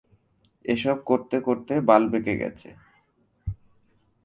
এসব করতে করতে বাল বেঁকে গেছে।